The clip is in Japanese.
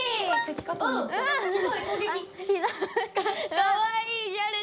かわいい。